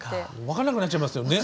分かんなくなっちゃいますよね。